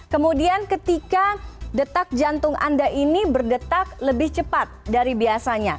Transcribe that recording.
kemudian ketika detak jantung anda ini berdetak lebih cepat dari biasanya